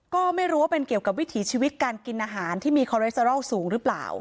ก็ไม่รู้ว่าเป็นเกี่ยวกับวิถีชีวิตการกินอาหารที่มีคอเรสเตอรอลสูงหรือเปล่า